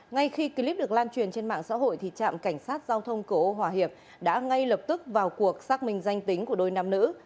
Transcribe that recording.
ngay khi clip được lan truyền trên mạng xã hội trạm cảnh sát giao thông cửa ô hòa hiệp đã ngay lập tức vào cuộc xác minh danh tính của đôi nam nữ